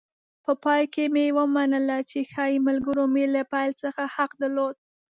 په پای کې مې ومنله چې ښایي ملګرو مې له پیل څخه حق درلود.